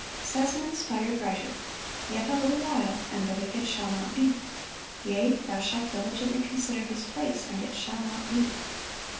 Says an inspired writer, "Yet a little while, and the wicked shall not be: yea, thou shalt diligently consider his place, and it shall not be."